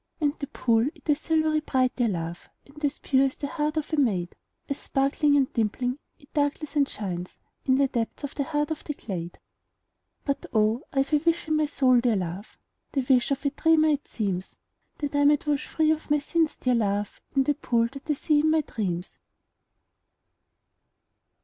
And the pool, it is silvery bright, dear love, And as pure as the heart of a maid, As sparkling and dimpling, it darkles and shines In the depths of the heart of the glade. But, oh, I 've a wish in my soul, dear love, (The wish of a dreamer, it seems,) That I might wash free of my sins, dear love, In the pool that I see in my dreams.